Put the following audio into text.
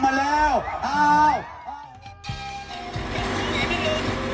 มาแล้วครับพี่น้อง